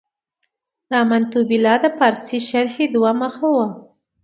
د امنت بالله د پارسي شرحې دوه مخه و.